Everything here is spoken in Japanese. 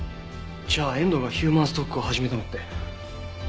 じゃあ遠藤がヒューマンストックを始めたのって。